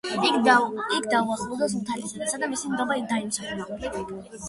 იქ დაუახლოვდა სულთნის დედას და მისი ნდობა დაიმსახურა.